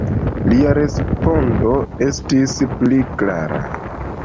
Lia respondo estis pli klara.